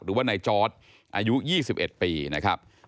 หรือว่านายจอร์ดอายุ๒๑ปีนะครับ